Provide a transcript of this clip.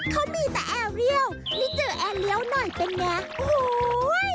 เขามีแต่แอร์เรียลนี่เจอแอร์เลี้ยวหน่อยเป็นไงโอ้โห